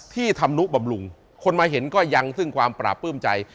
ธรรมนุบำรุงคนมาเห็นก็ยังซึ่งความปราบปลื้มใจ